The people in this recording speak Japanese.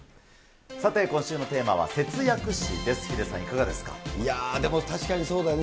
さて、今週のテーマは節約史いやー、でも確かにそうだよね。